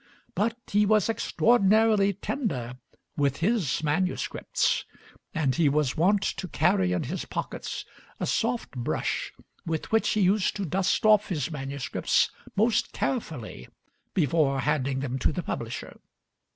But he was extraordinarily tender with his manuscripts; and he was wont to carry in his pockets a soft brush with which he used to dust off his manuscripts most carefully before handing them to the publisher.